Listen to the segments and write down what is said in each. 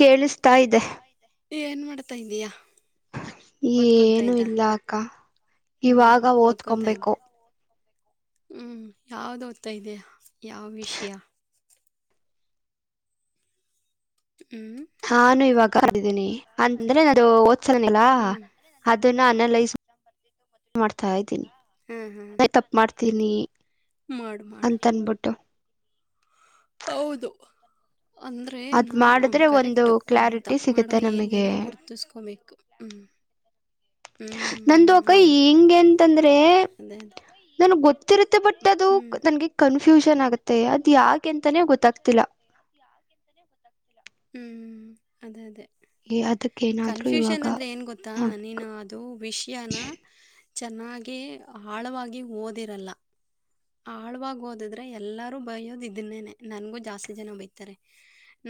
ಕೇಳಿಸ್ತಾ ಇದೆ ತ್ತಂದಯ ಏನುೂ ಇಲ್ಲ ಅಕ್ಕ ಹ್ಮ್ ಇವಾಗ ಓದ್ಕೊತಾ ಓದ್ಕೊಬೇಕು ಇದ್ದೆ ಹ್ಮ್ ಯಾವ್ದ ಓದ್ತಾ ಇದೆಯ ಯಾವ ವಿಷಯ ಹ್ಮ್ ಕದಿದ್ದನಿ ಅಂತಂದ್ರೆ ನ ಅದು ಓದ್ಸಲನಿಲ್ಲಾ ಹ್ಮ್ ಅದನ್ನಾನೆಲ್ಲೈ ಮಾಡ್ತಾ ಇದ್ದೀನಿ ಹ್ಮ್ ಹ್ಮ್ ತಪ್ಪ ಮಾಡ್ತೀನಿ ಮಾಡು ಮಾಡು ಅಂತ ಅನ್ಬಿಟ್ಟು ಹೌದು ಅಂದರೆ ಅದ್ ನಾ ಮಾಡಿದ್ರೆ ಒಂದು ಕರೆಕ್ಟು ನಾವು ಕ್ಲಾರಿಟಿ ತಪ್ಪು ಮಾಡೋ ಸಿಗುತ್ತೆ ನಮಗೆ ಏರಿಯನ ಗುರುತಿಸ್ಕೋಬೇಕು ಹ್ಞ ನಂದು ಅಕ ಹಿಂಗ ಎಂತಂದ್ರೆ ರೇ ಅದೇ ಅದೇ ನನ್ಗ್ ಗೊತ್ತಿರುತ್ತೆ ಬಟ್ ಅದು ಹ್ಮ್ ನನ್ಗೆ ಕನ್ಫ್ಯೂಷನ್ ಆಗತ್ತೆ ಅದ ಯಾಕೆ ಅಂತಾನೇ ಗೊತ್ತಾಗ್ತಿಲ್ಲ ಹ್ಮ್. ಅದೇ ಅದೇ ಅದಕ್ಕ ಏನಾದ್ರು ಇವಾಗ ಕನ್ಫ್ಯೂಷನ್ ಅಂದ್ರೆ ಏನ್ ಗೊತ್ತಾ ನೋಡ್ ನೀನು ಅದು ವಿಷಯನ ಚೆನ್ನಾಗಿ ಆಳವಾಗಿ ಓದಿರಲ್ಲ ಆಳ್ವಾಗಿ ಓದಿದ್ರೆ ಎಲ್ಲರೂ ಬಯೋದು ಇದನ್ನೇನೆ ನನ್ಗೂ ಜಾಸ್ತಿ ಜನ ಬೈತಾರೆ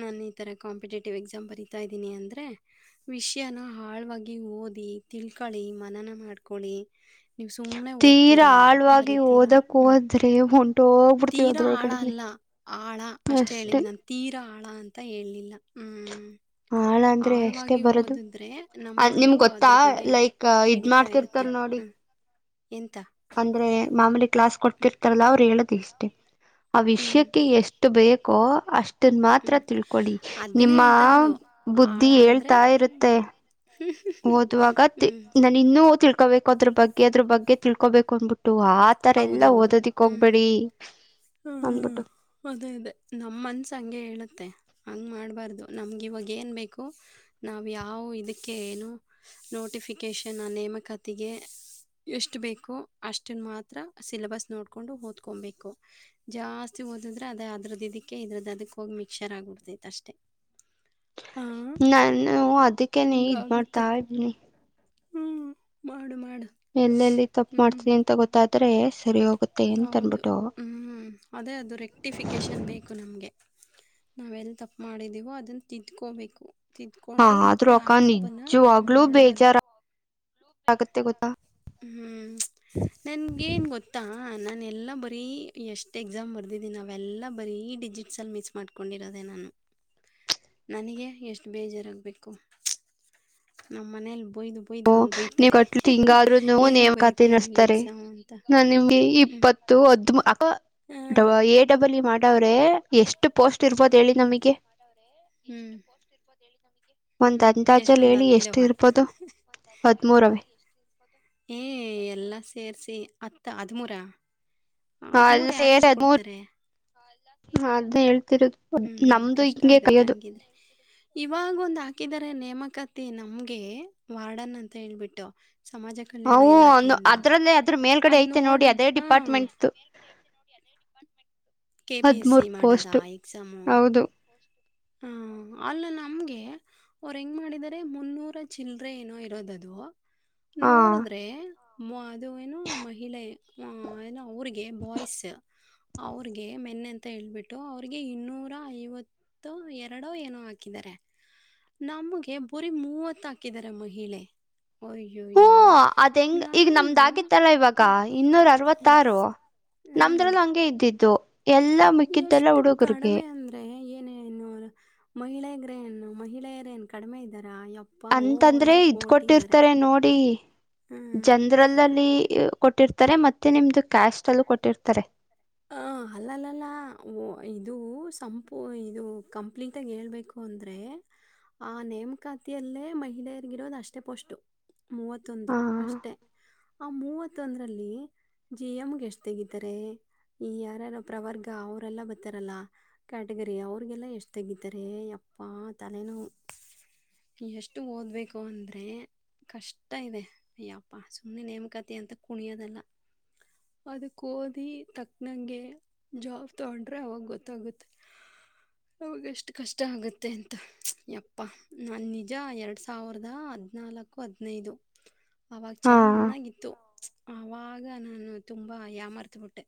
ನಾನ ಈ ತರ ಕಾಂಪಿಟೇಟಿವ್ ಎಕ್ಸಾಮ್ ಬರಿತಾ ಇದ್ದೀನಿ ಅಂದ್ರೆ ವಿಷಯನ ಆಳವಾಗಿ ಓದಿ ತಿಳ್ಕಳಿ ಮನನ ಮಾಡ್ಕೊಳ್ಳಳಿ ತೀರಾ ಆಳ್ವಾಗಿ ಓದಕ್ಕ ಹ್ಮ್. ಹೋದ್ರೆ ಹೊಂಟು ತೀರಾ ಆಳ ಅಲ್ಲ ಆಳ ಅಷ್ಟೆ ಅಷ್ಟೇ ಹೇಳಿದ್ದ ನಾನು ತೀರಾ ಆಳ ಅಂತ ಹೇಳೇಳ್ಲಿಲ್ಲ ಹ್ಮ್ ಆಳ ಅಂದ್ರೆ ಎಷ್ಟೇ ಆಳ್ವಾಗಿ ಬರದು ಓದಿದ್ರೆ ಅದ್ ನಿಮ್ ನಮ್ಗೊಂದು ಗೊತ್ತಾ ಅದ್ರ ಬಗ್ಗೆ ಲೈಕ್ ಇದ್ ಹಿಡಿತಾ ಮಾಡ್ತಿರ್ತಾರ ಇರುತ್ತೆ ನೋಡಿ ಹ್ಮ ಎಂತ ಅಂದ್ರೆ ಮಾಮೂಲಿ ಕ್ಲಾಸ್ ಕೊಡ್ತಿರ್ತಾರಲ್ಲ ಅವ್ರು ಹೇಳದ್ ಇಷ್ಟ ಓಕೆ ಆ ಹ್ಮ್. ವಿಷಯಕ್ಕೆ ಎಷ್ಟು ಬೇಕೋ ಅಷ್ಟನ್ ಮಾತ್ರ ಹ್ಮ್. ತಿಳ್ಕೊಳ್ಳಿ ಅದನ್ನೇ ನಿಮ್ಮ ಹೇಳ್ತಾ ಇರೋದು ಆಳ ಬುದ್ಧಿ ಅಂದ್ರೆ ಹೇಳ್ತಾ ಇರುತ್ತೆ ಓದುವಾಗ ತಿ ಹ್ಮ್. ನಾನು ಇನ್ನು ತಿಳ್ಕೋಬೇಕ್ ಕೊತ್ರಪಗ್ ಇದ್ರು ಬಗ್ಗೆ ತಿಳ್ಕೋಬೇಕು ಅಂದಬಿಟ್ಟು ಆತರ ಎಲ್ಲ ಹೌದೌದು ಓದೋದಿಕ್ ಹ್ಮ್ ಹೋಗ್ಬೇಡಿ ಹ್ಮ್ ಅಂದಬಿಟ್ಟು ಮತ್ತೆ ಹೇಳುತ್ತೆ ಹಂಗೆ ಮಾಡಬಾರ್ದು ನಮ್ಗೆ ಇವಾಗ ಏನು ಬೇಕು ನಾವು ಯಾವ ಇದಕ್ಕೆ ಏನು ನೋಟಿಫಿಕೇಶನ್ ಆ ನೇಮಕಾತಿಗೆ ಎಷ್ಟು ಬೇಕೋ ಅಷ್ಟನ್ ಮಾತ್ರ ಸಿಲೆಬಸ್ ನೋಡ್ಕೊಂಡು ಓದ್ಕೊಬೇಕು ಜಾಸ್ತಿ ಓದಿದ್ರೆ ಅದ ಅದ್ರದ ಇದಕ್ಕೆ ಇದ್ರದ್ದ ಅದಕ್ಕ ಹೋಗಿ ಮಿಕ್ಸರ್ ಆಗ್ಬಿಡ್ತೈತೆ ಅಷ್ಟೆ ನಾನು ಅದಕ್ಕೆನೆ ಇದ್ ಮಾಡ್ತಾ ಇದನಿ ಹ್ಮ ಮಾಡು ಮಾಡು ಎಲ್ಲೆಲ್ಲಿ ತಪ್ಪು ಹ್ಮ್ ಮಾಡ್ತೀನಿ ಅಂತ ಗೊತ್ತ್ ತದ್ರೆ ಸರಿಯೋಗ್ ಹೌದು ಹ್ಮ್ ಅದೇ ಅದು ರೆಕ್ಟಿಫಿಕೇಶನ್ ಬೇಕು ನಮ್ಗೆ ನಾವೆಲ್ ತಪ್ಪ ಮಾಡಿದೀವೋ ಅದನ್ನ ತಿಂದ್ಕೋಬೇಕು ತಿದ್ಕೊಂಡು ಆದ್ರೂ ಮತ್ತೆ ಆ ಅಕ್ಕ ತಪ್ಪನ ನಿಜವಾಗ್ಲೂ ಮಾಡಬಾರು ಬೇಜಾರ ಆಗತ್ತೆ ಗೊತ್ತಾ ಹ್ಮ್ ನನ್ಗೇನ್ ಗೊತ್ತಾ ಹಾಂ ನಾನು ಎಲ್ಲ ಬರೀ ಎಷ್ಟು ಎಕ್ಸಾಮ್ ಬರೆದಿದ್ದೀನಿ ಅವಾವೆಲ್ಲ ಬರೀ ಡಿಜಿಟ್ಸಲ್ಲಿ ಮಿಸ್ ಮಾಡ್ಕೊಂಡಿರೋದೆ ನಾನು ನನಗೆ ಎಷ್ಟು ಬೇಜಾರಾಗ್ಬೇಕು ನಮ್ಮ್ ಮನೇಲ್ ಓ ನೀವ್ ಕಟ್ ಎಂಗಾದ್ರು ಏನಕ್ಕೆ ನೇಮಖಾತೆ ಬರೀತೀಯ ನೀನು ನಡೆಸ್ತಾರೆ ರೀ ಎಕ್ಸಾಮ್ ಅಂತ ನ ನಿಮ್ಗೆ ಹ್ಮ್ ಇಪ್ಪತ್ತು ಹತ್ತು ಹ್ಮ್ ಅಥವಾ ಎ ಡಬಲ್ ಮಾಡ್ ವ್ರೆ ಎಷ್ಟು ಪೋಸ್ಟ್ ಇರ್ಬೋದು ಹೇಳಿ ನಮಗೆ ಹ್ಮ್ ಒಂದ್ ಹ್ಮ್ ಅಂದಾಜಲ್ಲಿ ಎಷ್ಟೊಂದ್ ಹೇಳಿ ಎಷ್ಟು ಹತ್ತಿದವ್ವ ಇರ್ಬೋದು ಹದ್ಮೂರವೇ ಏ ಎಲ್ಲ ಸೇರ್ಸಿ ಹತ್ತು ಹದಿಮೂರ ಹ ಅದ್ ಹದಿಮೂರು ಸೇರಿ ಯಾರ್ಯಾರಿಗೆ ಹದ್ಮುಂರ್ ಕೊಡ್ತಾರೆ ಅದ್ನ ಹೇಳ್ತಿರೋದು ನಮ್ದು ಹಿಂಗೆ ಕೈಯೋದು ತಂಗಿದೆ ಇವಾಗ ಒಂದ್ ಹಾಕಿದರೆ ನೇಮಕಾತಿ ನಮ್ಗೆ ವಾರ್ಡನ್ ಅಂತ ಹೇಳ್ಬಿಟ್ಟು ಸಮಾಜ ಕಲ್ಯಾಣ ಹವು ಒಂದು ಇಲಾಖೆಯಿಂದ ಅದ್ರಲ್ಲೇ ಅದ್ರ ಮೇಲ್ಗಡೆ ಅದ್ ಐತೆ ನೋಡಿ ಅದೇ ಡಿಪಾರ್ಟ್ಮೆಂಟ್ದು department [inaudible] K P S C ಹದ್ಮೂರ್ ಮಾಡೋದ ಪೋಸ್ಟ್ ಎಕ್ಸಾಮು ಹೌದು ಹ ಅಲ್ಲ ನಮ್ಗೆ ಅವರು ಹೆಂಗ್ ಮಾಡಿದರೆ ಮುನ್ನೂರ ಚಿಲ್ಲರೆ ಏನೋ ಇರೋದದು ಹಾ ನೋಡಿದ್ರೆ ಮ್ ಇದು ಏನು ಮಹಿಳೆ ಏನೋ ಅವ್ರಿಗೆ ಬಾಯ್ಸ್ ಅವ್ರಿಗೆ ಮೆನ್ನೆ ಅಂತ ಹೇಳ್ಬಿಟ್ಟು ಅವ್ರಿಗೆ ಇನ್ನೂರ ಐವತ್ತು ಎರಡೋ ಏನೋ ಹಾಕಿದಿದ್ದಾರೆ ನಮಗೆ ಬುರಿ ಮೂವತ್ ಹಾಕಿದ್ದಾರೆ ಮಹಿಳೆ ಹ್ಮ ಅಯ್ಯಯ್ಯೋ ಅದ್ ಹೆಂಗ್ ಈಗ ನಾನು ನಮ್ದಾಗಿತ್ತಲ್ಲ ಇವಾಗ ಹ್ಮ್ ಇನ್ನೂರ ಹ್ಮ್ ಅರವತ್ತಾರು ಹ್ಮ್ ನಮ್ದ್ರಲ್ಲ ಹಂಗೆ ಇದ್ದಿದ್ದು ಎಲ್ಲ ಮುಕ್ಕಿದ್ದೆಲ್ಲ ಹುಡುಗರ್ಗೆ ಮಹಿಳೆಯಗ್ರೇನು ಮಹಿಳೆಯರ ಏನ್ ಕಡಿಮೆ ಇದ್ದಾರೆ ಅಂತಂದ್ರೆ ಇದ್ ಇದ್ದಾರೆ ಕೊಟ್ಟಿರ್ತಾರೆ ನೋಡಿ ಹ್ಮ್ ಜನರಲ್ಲ್ಲಿ ಕೊಟ್ಟಿರ್ತ ರ್ತ ಮತ್ತೆ ನಿಮ್ದು ಕ್ಯಾಶ್ ಅಲ್ಲೂ ಕೊಟ್ಟಿರ್ತಾರೆ ಹ ಅಲ್ಲಲ್ಲಲ್ಲ ಇದು ಸಂಪೂ ಇದು ಕಂಪ್ಲೀಟಾಗಿ ಹೇಬೇಕು ಅಂದರೆ ಆ ನೇಮಕಾತಿಯಲ್ಲೇ ಮಹಿಳೆಯರಿಗಿರೋದು ಅಷ್ಟೇ ಪೋಸ್ಟು ಮೂವತ್ತೊಂದು ಹಾ ಅಷ್ಟೇ ಆ ಮೂವತ್ತು ತೊಂದ್ರಲ್ಲಿ ಜಿ ಎಮ್ಗೆ ಎಷ್ಟ್ ತೆಗಿತಾರೆ ಈ ಯಾರ್ಯಾರೋ ಪ್ರವರ್ಗ ಅವರೆಲ್ಲ ಬರ್ತಾರಲ್ಲ ಕ್ಯಾಟಗರಿ ಅವ್ರಿಗೆಲ್ಲ ಎಷ್ಟು ತೆಗಿತಾರೆ ಅಪ್ಪ ತಲೆನೋ ಎಷ್ಟು ಓದಬೇಕು ಅಂದ್ರೆ ಕಷ್ಟ ಇದೆ ಯಪ್ಪಾ ಸುಮ್ಮನೆ ನೇಮಕಾತಿ ಅಂತ ಕುಣಿಯೋದಲ್ಲ ಅದಕ್ಕೆ ಓದಿ ತಕ್ಕ ನಂಗೆ ಜಾಬ್ ತಗೊಂಡ್ರೆ ಅವಾಗ ಗೊತ್ತಾಗುತ್ತೆ ಅವಾಗಷ್ಟು ಕಷ್ಟ ಆಗುತ್ತೆ ಅಂತ ಯಪ್ಪ ನಾನು ನಿಜ ಎರಡು ಸಾವಿರದ ಹದ್ಿನಾಲ್ಕು ಹದಿನೈದು ಅವಾಗ ಹಾ ಚೆನ್ನಾಗಿತ್ತು ಆವಾಗ ನಾನು ತುಂಬ ಯ ಮರ್ತಬಿಟ್ಟೆ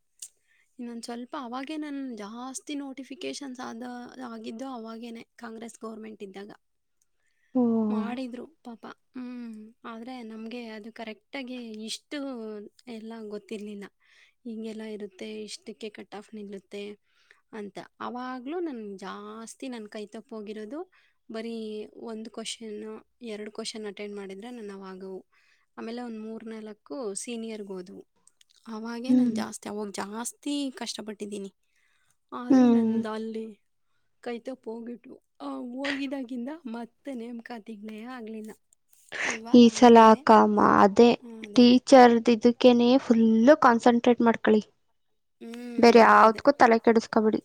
ಇನ್ನೊಂದು ಸ್ವಲ್ಪ ಅವಾಗೇ ನನ್ ಜಾಸ್ತಿ ನೋಟಿಫಿಕೇಶನ್ಸ್ ಆದ ಆಗಿದ್ದೋ ಅವಾಗೇನೆ ಕಾಂಗ್ರೆಸ್ ಗೌರ್ಮೆಂಟ್ ಇದ್ದಾಗ ಓ ಮಾಡಿದ್ರು ಪಾಪ ಹ್ಮ್ ಆದ್ರೆ ನಮ್ಗೆ ಅದು ಕರೆಕ್ಟ್ ಆಗಿ ಇಷ್ಟು ಎಲ್ಲ ಗೊತ್ತಿರ್ಲಿಲ್ಲ ಹಿಗೆಲ್ಲ ಇಷ್ಟಕ್ಕೆ ಕಟ್ ಆಫ್ ನಿಲ್ಲುತ್ತೆ ಅಂತ ಅವಾಗ್ಲೂ ನ ಜಾಸ್ತಿ ನನ್ ಕೈ ತಪ್ಪ ಹೋಗಿರೋದು ಬರೀ ಒಂದ ಕ್ವಶನ್ ಎರಡು ಕ್ವಶನ್ ಅಟೆಂಡ್ ಮಾಡಿದ್ರೆ ನನ್ ಅವಾಗ ಆಮೇಲೆ ಒಂದ್ ಮೂರ್ ನಲ್ಕು ಸೀನಿಯರ್ಗೆ ಹೋದವು ಅವಾಗೆ ನನ್ ಹ್ಮ್ ಜಾಸ್ತಿ ಹೋಗಿ ಜಾಸ್ತಿ ಕಷ್ಟಪಟ್ಟಿದ್ದೀನಿ ಆದ್ರೂ ಹ್ಮ್ ನಂದ್ದ ಅಲ್ಲಿ ಕೈತಪ್ ಹೋಗಿಟ್ು ಆ ಹೋಗಿದಾಗಿಂದ ಮತ್ತ ನೇಮಕಾತಿಗ್ನಯ ಆಗ್ಲಿಲ್ಲ ಈ ಸಲ ಅಕಮ್ಮ ಅದೇ ಆ, ಅದೇ ಅದೇ ಟೀಚರ್ ಇದ ಕನೆ ಫುಲ್ು ಕಾನ್ಸಂಟ್ರೇಟ್ ಮಾಡ್ಕಳಿ ಹ್ಮ್ ಬೇರಿ ಅದೇ ಅದೇ ಯತ್ಕೂ ತಲೆ ಕೆಡಿಸಕಬಿಡಿ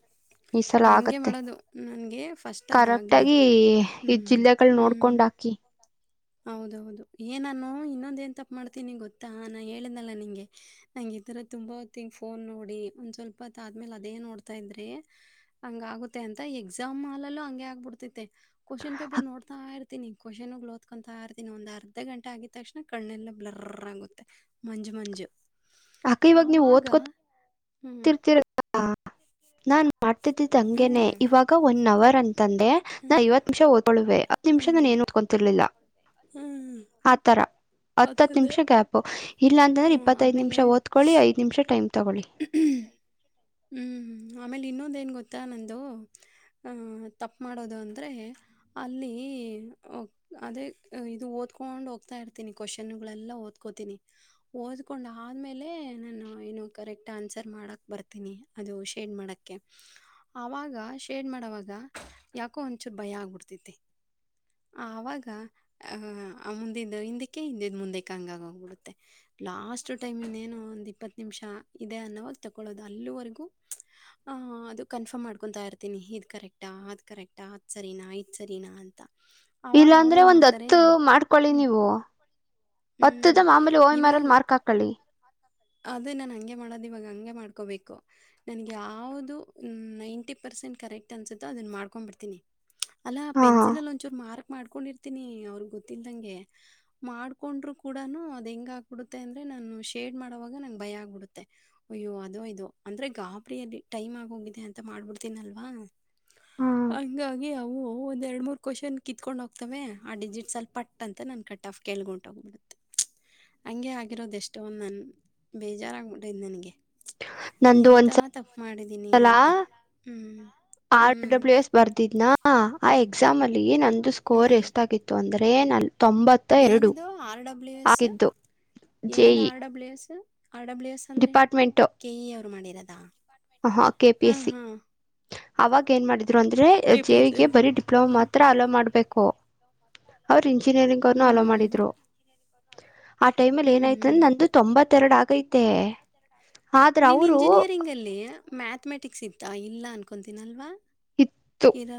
ಈ ಕೆಡಿಸ್ಕೊಬಾರ್ದು ಸಲ ಹಂಗೆ ಆಗತ್ತೆ ಮಾಡೋದು ನನಗೆ ಫಸ್ಟ್ ಕರೆಕ್ಟ ಅದಾಗಲಿ ಆಗಿ ಈ ಹ್ಮ್ ಜಿಲ್ಲೆಗಳು ಹ್ಮ್ ನೋಡ್ಕೊಂಡ್ ಹಾಕಿ ಹೌದೌದು ಏನಾನ ಇನ್ನೊಂದ ನ್ ತಪ್ಪ ಮಾಡ್ತೀನಿ ಗೊತ್ತಾ ನಾ ಹೇಳಿದಲ್ಲ ನಿಂಗೆ ನಂಂಗಗೆ ಈ ತರ ತುಂಬಾಂಗ ಫೋನ್ ನೋಡಿ ಒಂದ್ ಸ್ವಲ್ಪ ಆದ್ಮೇಲೆ ಅದೇ ನೋಡ್ತಾ ಇದ್ರೆ ಹಂಗ ಆಗುತ್ತೆ ಅಂತ ಎಕ್ಸಾಮ್ ಹಾಲಲ್ಲೂ ಹಂಗೆ ಆಗ್ಬಿಡ್ತತೆ ಕ್ವಶನ್ ಪೇಪರ್ ನೋಡ್ತಾ ಇರ್ತೀನಿ ಕವಷನಲ ಕತ್ಕೊಂತ ಇರ್ತೀನಿ ಒಂದ್ ಅರ್ಧ ಗಂಟೆ ಆಗಿದ ತಕ್ಷಣ ಕಣ್ಣೆಲ್ಲ ಬಲರ ಆಗುತ್ತೆ ಮಂಜು ಮಂಜು ಅಕ್ಕ ಇವಾಗ ನೀವು್ ಆವಾಗ ಓದ್ಕೊ ಹ್ಞೂ ತಿರ್ತಿಾ ನಾನ ಮಾಡ್ತಿದ್ದಿದ್ದ ಎಲ್ಲಾ ಮಾಡ್ತಿದ್ದಿದ್ದು ಹಂಗೇನೆ ಇವಾಗ ಒನ್ ಅವರ್ ಅಂತಂದ್ರೆ ನಾನ್ ಐವತ್ತು ನಿಮಿಷ ಓದ್ಕೊಳ್ದೆ ಅದ್ ನನ್ ಹಂೇನೆ ಇವಾಗ ಒನ್ ಅವರ್ ತಂದೆ ನಾ ಐವತ್ತು ನಿಮಿಷ ಓದ್ಕೊಳ್ಳುವೆ ಹತ್ ನಿಮಿಷ ನಾನ ಏನುದಕೊಂತಿರ್ಲಿಲ್ಲ ಕೈಯಲ್ಲಿ ಆತರ ಓದ್ಕೊತಿರ್ಲಿಲ್ಲ ಹತ್ತ್ ಅದೇ ಅದೇ ನಿಮಿಷ ಗ್ಯಾಪ್ ಇಲ್ಲ ಅಂತಂದ್ರೆ ಹ್ಮ್ ಇಪ್ಪತ್ತ ಐದ್ ನಿಮಿಷ ಆಮೇಲೆ ಓದ್ಕೊಳ್ಳಿ ಐದ್ ನಿಮಿಷ ಟೈಮ್ ತಗೊಳ್ಳಿ ಹ್ಮ್ ಆಮೇಲೆ ಇನ್ನೊಂದ ನ್ ಗೊತ್ತಾ ನಂದು ಹ ತಪ್ಪ ಮಾಡೋದು ಅಂದರೆ ಅಲ್ಲಿ ಅದೇ ಇದು ಓದ್ಕೊಂಡು ಹೋಗ್ತಾ ಇರ್ತೀನಿ ಕ್ವಶನ್ಗಳೆಲ್ಲ ಓದ್ಕೋತೀನಿ ಓದ್ಕೊಂಡು್ಮೇಲೆ ನಾನು ಏನು ಕರೆಕ್ಟ್ ಆನ್ಸರ್ ಮಾಡಕ್ಕೆ ಬರ್ತೀನಿ ಅದು ಶೇಡ್ ಮಾಡಕ್ಕೆ ಆವಾಗ ಶೇಡ್ ಮಾಡೋವಾಗ ಯಾಕೋ ಒಂಚೂರು ಭಯ ಆಗ್ಬಿಡ್ತೈತಿ ಆವಾಗ ಮುಂದಿದ್ದ ಹಿಂದಕ್ಕೆ ಹಿಂದಿದ ಮುಂದೆಕ್ಕೆ ಹಂಗಾಗೋಗ್ಬಿಡುತ್ತೆ ಲಾಸ್ಟ್ ಟೈಮ ಇಿಂದ ಏನುೋ ಒಂದು ಇಪ್ಪತ್ತು ನಿಮಿಷ ಇದೆ ಅನ್ನೋವಾಗ ತಕೊಳ್ಳೋದು ಅಲ್ಲಿವರೆಗೂ ಅದು ಕನ್ಫರ್ಮ್ ಮಾಡ್ಕೊತಾ ಇರ್ತೀನಿ ಇದು ಕರೆಕ್ಟಾ ಅದು್ ಕರೆಕ್ಟ್ ಆತ್ ಸರಿನಾ ಆಯ್ತ್ ಸರಿನಾ ಅಂತ ಇಲ್ಲ ಆವಾಗ ಅಂದ್ರೆ ಅವ್ರೇನು ಒಂದ್ ಮಾಡ್ತಾರೆ ಹತ್ತು ಮಾಡ್ಕೊಳ್ಳಿ ಹ್ಮ್. ನೀವು ಹ್ಮ್. ಹತ್ತುದ ಮಾಮೂಲಿ ೋಯಿ ಇವಾಗ ಮರಲ್ ಮಾರ್ಕ್ ಹಾಕೊಳ್ಳಿ ಅದೇ ನಾನನ್ ಹಂಗೆ ಮಾಡೋದು ಇವಾಗ ಹಂಗೆ ಮಾಡ್ಕೋಬೇಕು ನನ್ಗೆ ಯಾವವುದು ನೈಂಟಿ ಪರ್ಸೆಂಟ್ ಕರೆಕ್ಟ್ ಅನ್ಸುತ್ತೋ ಅದನ್ನ ಮಾಡ್ಕೊಂಡ್ಬಡ್ತೀನಿ ಅಲ್ಲ ಹಾ ಪೆನ್ಸಿಲ್ ಲಂಚೂ ಮಾರ್ಕ್ ಮಾಡ್ಕೊಂಡಿರ್ತೀನಿ ಅವ್ರಗ್ ಗೊತ್ತಲ್ದಂಗೆ ಮಾಡ್ಕೊಂಡ್ರು ಕೂಡಾನನು ಅದ ಹೆಂಗ ಹ ಆಕ್ಬಿಡುತ್ತೆ ಅಂದ್ರೆ ನಾನು ಶೇಟ್ ನ ಭಯ ಆಗ್ಬಿಡುತ್ತೆ ಅಯ್ಯೋ ಅದೋ ಇದು ಅಂದ್ರೆ ಗಾಬರಿಲ್ಲಿ ಟೈಮ್ ಆಗೋಗಿದೆ ಅಂತ ಮಾಡ್ಬಿಡ್ತನಲ್ವಾ ಹ್ಮ್ ಹಾಗಿ ಅವು ಒಂದ ಎರಡ್ ಮೂರ್ ಕ್ವಶನ್ ಕಿತ್ಕೊಂಡ್ ಹೋಗ್ತಾವ ಆ ಡಿಜಿಟ್ ಅಲ್ಲಿ ಪಟ್ ಅಂತ ನ ಕಟ್ ಆ್ ಕ್ಬಿಡುತ್ತ ಹ ಆಗಿರೋದು ಎಷ್ಟ ಬೇಜಾರಾಗಬಿಟ್ಟೈ್ ನನ್ಗೆ ನಂದು ಒಂದ್ಸಲ ಮಾಡಿದ್ದೀನಿ ಸಲ ಅಂತ ಹ್ಞೂ ಹ್ಞೂ ಆರ್ಡಬ್ಲ್ಯೂ ಎಸ್ ಬರ್ದಿದ್ನಾ ಆಯ ಎಕ್ಸಾಮ್ ಅಲ್ಲಿ ಏ ಅ ಒಂದು ಸ್ಕೋರ್ ಎಷ್ಟ ಆಾಗಿತ್ತು ಅಂದ್ರೆ ೇ ನಲ್ ತೊಂಬತ್ತ ಎರಡು ಏನದೋ ಆರ್ಡಬ್ಲ್ಯೂ ಎಸ್ ಆಗಿದ್ದು ಜೆ ಏನದ E R W S R W S ಅಂದ್ರೆ ಕೆಇ ಅವ್ರು ಮಾಡಿರೋದಾ ಹಹಾ ಕೆ ಪಿ ಹಾ ಎಸ್ ಸಿ ಹಾ ಅವಾಗ ಏನ್ ಮಾಡಿದ ಇದ ಅಂದ್ರೆ ಕೆ ಪಿ ಜೆ ಎಸ್ ವಿಗೆ ಹ್ಮ್ ಬರಿ ಡಿಪ್ಲೊಮಾ ಹ ಅಲೋ ಮಾಡ್ಬೇಕು ಅವ್ರ ಇಂಜಿನಿಯರಿಂಗ್ ಅವನ್ನ ಆಲೋ ಮಾಡಿದ್ರು ಅವ್ರು ಆ ಟೈಮ ಅಲ್ಲಿ ಹ್ಮ್ ಏನಯಐತ ಅಂದ ಹ್ಮ್ ನಂದು ತೊಂಬತ್ತರ ಆಗೈ ಂತೆ ನೀನ್ ಇಂಜಿನಿಯರಿಂಗ್ ಅಲ್ಲಿ ಮ್ಯಾಥಮೆಟಿಕ್ಸ್ ಇತ್ತ ಇಲ್ಲ ಅನ್ಕ ಕೊಂತಿನಲ್ವಾ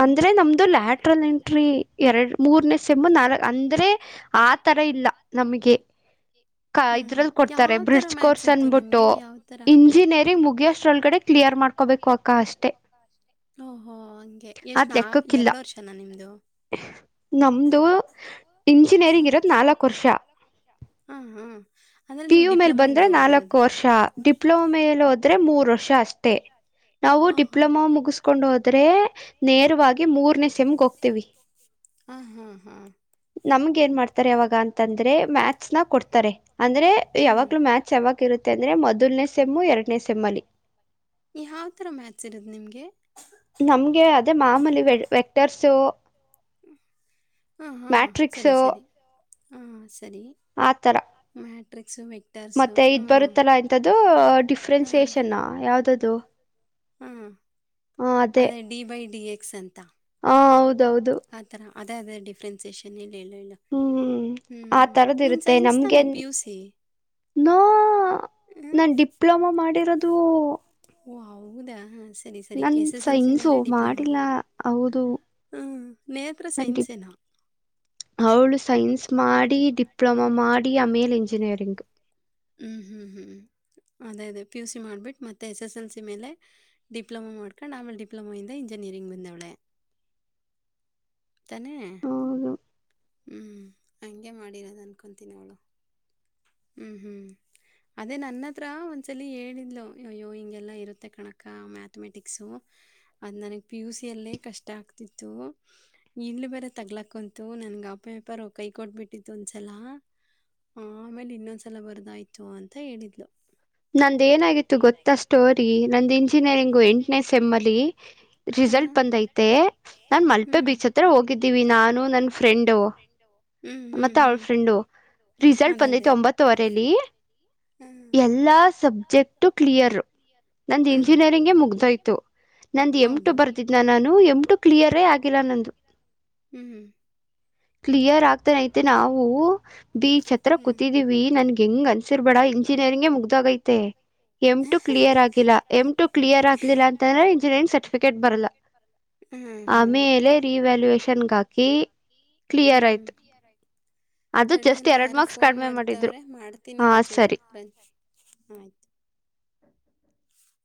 ಅಂದ್ರೆ ನಮ್ದು ಲ್ಯಾಟ್ರಲ್ ಎಂಟ್ರಿ ಎರಡು ಮೂರ್ನೇ ಸಮ್ಮು ನಾಲ್ಕ ಅಂದ್ರೆ ಆ ತರ ಇಲ್ಲ ನಮಗೆ ಹಾ ಇದ್ರಲ್ಲಿ ಕೊಡ್ತಾರೆ ಯಾವ ತರ ಬ್ರಿಡ್ಜ್ ಮ್ಯಾಥ್ಸ್ ಕೋರ್ಸ್ ಇದ್ದು ಅನ್ಬಿಟ್ಟು ನಿಮ್ಗೆ ಯಾವ ತರ ಇಂಜಿನಿಯರಿಂಗ್ ಮುಗ ಅಷ್ಟ್ರೊಳಗಡೆ ಕ್ಲಿಯರ್ ಮಾಡ್ಕೋಬೇಕು ಅಕ್ಕ ಅಷ್ಟೇ ಓ ಹೋ ಓಕೆ ಎಷ್ಟು ನ ಲೆಕ್ಕಕ್ಕಿಲ್ಲ ಎರಡು ವರ್ಷನಾ ನಿಮ್ಮದು ನಮ್ದು ಇಂಜಿನಿಯರಿಂಗ್ ಇರದು ನಾಲ್ಕು ವರ್ಷ ಹಾ ಹಾ ಅಂದ್ರೆ ನೀವು ಪಿಯು ಮೇಲೆ ಡಿಪ್ಲೊಮಾ ಇಂದ ಬಂದ್ರೆ ಹೋಗಿರೋದು ನಾಲ್ಕು ವರ್ಷ ನಾಲ್ಕು ಡಿಪ್ಲೋಮಾ ಮೇಲೆ ಹೋದ್ರೆ ಮೂರು ವರ್ಷ ಅಷ್ಟೆ ಮತ್ತೆ ನಾವು ಹ ಹಾ ಡಿಪ್ಲೊಮಾ ಮುಗಿಸ್ಕೊಂಡು ಹೋದ ಆದ್ರೆ ನೇರವಾಗಿ ಮೂರ್ನೆೇ ಸೆಮ್ಗೆ ಹೋಗ್ತೀವಿ ಹಾ ಹಾ ಹಾ ನಮ್ಗೆ ಏನ್ ಮಾಡ್ತಾರೆ ಯಾವಾಗ ಅಂತಂದ್ರೆ ಮ್ಯಾಕ್ಸ್ ಕೊಡ್ತಾರೆ ಅಂದ್ರೆ ಹ್ಮ್ ಯಾವಾಗ್ಲೂ ಮಾಥ್ಸ್ ಯಾವಾಗ ಇರುತ್ತೆ ಅಂದ್ರೆ ಮೊದಲನೇ ಸೆಮ್ಮು ಎರಡನೇ ಸೆಮ್ಮಲ್ಲಿ ಸೆಮ್ಮಲ್ಲಿ ಯಾವ ಥರ ಮ್ಯಾಥ್ಸ್ ಇರೋದು ನಿಮಗೆ ನಮ್ಗೆ ಅದೇ ಮಾಮೂಲಿ ವ ವೆಕ್ಟರ್ಸು ಹಾ ಹಾ ಸರಿ ಮ್ಯಾಟ್ರಿಕ್ಸು ಸರಿ ಹಾ ಸರಿ ಆತರ ಮಾಟ್ರಿಕ್ಸು ಮತ್ತೆ ಇದ್ ಬರುತ್ತಲ್ಲಾ ಎಂತ್ದು ಡಿಫ್ರೆನ್ಸಿಯೇಷನ್ ಯಾವ್ದ ಅದು ಹ್ಮ ಅದೇ ಡಿ ಬೈ ಡಿ ಎ ಸರಿ ಹಾ ಹೌದೌದು ಅದೇ ಅದೇ ಡಿಫ್ರೆನ್ಸೇಷನ್ ಇಲ್ಲಿ ಹ್ಮ್ ಆ ತರದ್ ನೀನ್ ಇರುತ್ತೆ ಸೈನ್ಸ್ ತಾನೆ ನಮ್ಗೆನ್ ಪಿ ಯು ಸಿ ನೋ ನಾನ್ ಡಿಪ್ಲೊಮಾ ಮಾಡಿರೋದು ದು ಓ ಹೌದಾ ಸರಿ ಸರಿ ನನ್ S S L C science ಮೇಲೆ ಡಿಪ್ಲೊಮೊ ಮಾಡಿಲ್ಲ ಹೌದು ಹ್ಞೂ ನೇತ್ರ ನೇತ್ರಾ ಸೈನ್ಸೇನಾ ಅವಳು ಸೈನ್ಸ್ ಮಾಡಿ ಡಿಪ್ಲೊಮಾ ಮಾಡಿ ಆಮೇಲ್ ಇಂಜಿನಿಯರಿಂಗ್ ಹ್ಞೂ ಹ್ಞೂ ಹ್ಞೂ ಅದೇ ಅದೇ ಪಿ ಯು ಸಿ ಮಾಡಿಬಿಟ್ಟು ಮತ್ತು ಎಸ್ ಎಸ್ ಎಲ್ ಸಿ ಮೇಲೆ ಡಿಪ್ಲೊಮಾ ಮಾಡ್ಕೊಂಡು ಆಮೇಲೆ ಡಿಪ್ಲೊಮೆಯಿಂದ ಇಂಜಿನಿಯರಿಂಗ್ ಬಂದವಳೆ ತಾನೇ ಹೌದು ಹ್ಮ ಹಾಗಂಗೆ ಮಾಡಿರೋದು ಅನ್ಕೊತೀನಿ ಅವಳು ಹ್ಮ್ ಹ್ಮ ಅದೇ ನನ್ನತ್ರ ಒಂದ್ಸಲ ಹೇಳಿದ್ಲು ಅಯ್ಯೋ ಹಿಂಗೆಲ್ಲಾ ಇರುತ್ತೆ ಕಣಕ ಮ್ಯಾಥಮೆಟಿಕ್ಸು ಅದ್ ನನ್ಗ್ ಪಿ ಯುಸಿಯಲ್ಲೇ ಕಷ್ಟ ಆಗ್ತಿತ್ತು ಇಲ್ಲಿ ಬೇರೆ ತಗ್ಲಕ್ಕಂತು ನನ್ಗೆ ಪೇಪರ್ ಕೈ ಕೊಟ್ಬಿಟ್ಟಿತ್ತು ಒಂದ್ಸಲ ಆಮೇಲೆ ಇನ್ನೊಂದ್ ಸಲ ಬರದಾಯ್ತು ಅಂತ ಹೇಳಿದ್ಲು ನಂದ ಏನಾಗಿತ್ತು ಗೊತ್ತಾ ಸ್ಟೋರಿ ನಂದು ಇಂಜಿನಿಯರಿಂಗು ಹ್ಮ್. ಎಂಟನೇ ಸೆಮ್ ಅಲ್ಲಿ ಹಾ, ರಿಸಲ್ಟ್ ನಾವು ಬಂದೈತೆ ನಾನ್ ಮಲ್ಪೆ ಹ್ಮ್. ನಾವು ಬೀಚ್ ಹತ್ರ ಹೋಗಿದ್ದೀವಿ ನಾನು ನನ್ನ ಫ್ರೆಂಡು ಹ್ಮ್, ಹ್ಮ್, ಮತ್ತ ಅವಳ ಹ್ಮ್. ಫ್ರೆಂಡು ರಿಸಲ್ಟ್ ಅದೇ, ಅದೇ. ಬಂದೀತೇ ಒಂಬತ್ತವರಲ್ಲಿ ಹಾ, ಎ ಎಲ್ಲಾ ಸಬ್ಜೆಕ್ಟು ಕ್ಲಿಯರ್ ನಂದ ಹ್ಮ್. ಇಂಜಿನಿಯರಿಂಗ್ ಮುಗ್ದೋಯ್ತು ನಂದ ಎಂ ಟು ಹೌದು ಬರ್ದಿದ್ನ ನಾನು ಎಂ ಟು ಕ್ಲಿಯರೇ ಆಗಿಲ್ಲ ನಂದು ನನ್ಗೆ ಹ್ಮ್ ಕ್ಲಿಯರ್ ಆಗ್ತನ ೈತೆ ನಾವು ಬಿ ಛತ್ರ ಕೂತಿದಿವವಿ ನನ್ಗೆ ಹೆಂಗ್ ಅನ್ಸಿರ್ಬೇಡ ಇಂಜಿನಿಯರಿಂಗ ಮುಗ್ದ ಎಮ ಟ ಎಮ್ ಕ್ಲಿಯರ್ ಆಗ ಟು ಎಮ ಟ ಕ್ಿಯರ್ ಆಗ್ಲಿಲ್ಲ ಅಂತಂದ್ರೆ ಇಂಜಿನಿಯರಿಂಗ್ ಸರ್ಟಿಫಿಕೇಟ್ ಬರಲ್ಲ ಹ್ಮ್ ಹ್ಮ್ ಆಮೇಲೆ ರಿವ್ಯಾಲ್ಯನ್ ಹಾಕಿ ಕ್ಲಿಯರ್ ಹ್ಮ್ ಆಯತು ತಡಿಯಲ್ಲ ಯಾರ ಫೋನ್ ಮಾಡಿದ್ರು ಮಾಡ್ತವ್ರೆ ಮಾಡ್ತೀನಿ ಹಾ ಸರಿ ಒಂಚೂರು ಬ ಆಯ್ತು